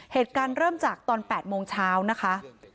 เหตุการณ์เริ่มจากตอน๘โมงเช้านะคะ